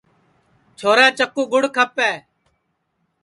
چھورا چکُو گُڑ کھپے